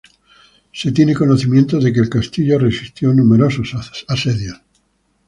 Se tiene conocimiento de que el castillo resistió numerosos asedios.